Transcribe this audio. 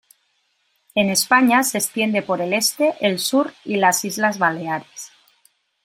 En España se extiende por el este, el sur y las islas Baleares.